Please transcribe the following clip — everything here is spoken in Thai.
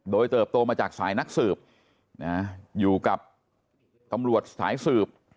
โดยเติบโตมาจากสายนักสืบอยู่กับตำรวจสายสืบ